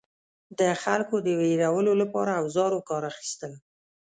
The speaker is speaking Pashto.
د خلکو د ویرولو لپاره اوزارو کار اخیستل.